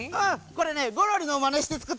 これねゴロリのまねしてつくったんだ。